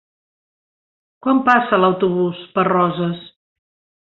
Quan passa l'autobús per Roses?